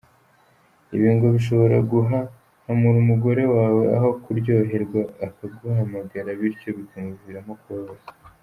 Ibi ngo bishobora guhahamura umugore wawe aho kuryoherwa akumagara bityo bikamuviramo kubabara.